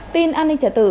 tin an ninh trả tự